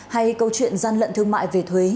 hay câu chuyện gian lận thương mại về thuế